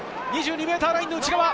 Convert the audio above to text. ２２ｍラインの内側。